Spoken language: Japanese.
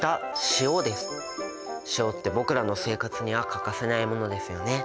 塩って僕らの生活には欠かせないものですよね。